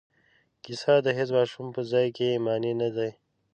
کیسه د هیڅ ماشوم په ځای کې مانع نه دی.